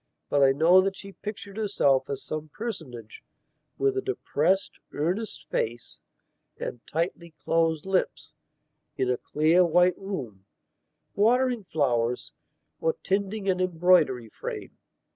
But I know that she pictured herself as some personage with a depressed, earnest face and tightly closed lips, in a clear white room, watering flowers or tending an embroidery frame.